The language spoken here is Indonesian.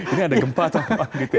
ini ada gempa atau apa gitu ya